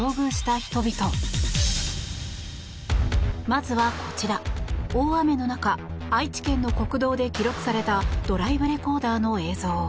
まずはこちら大雨の中、愛知県の国道で記録されたドライブレコーダーの映像。